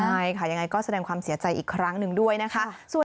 ใช่ค่ะยังไงก็แสดงความเสียใจอีกครั้งหนึ่งด้วยนะคะ